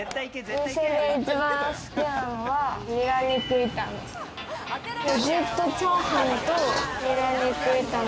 お店で一番好きなのはニラ肉炒め。